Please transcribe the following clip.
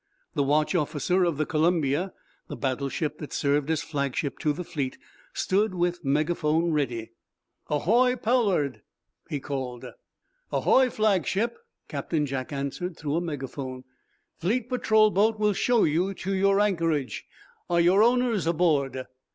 The watch officer of the "Columbia," the battleship that served as flagship to the fleet, stood with megaphone ready. "Ahoy, 'Pollard'!" he called. "Ahoy, flagship!" Captain Jack answered through a megaphone. "Fleet patrol boat will show you to your anchorage. Are your owners aboard?"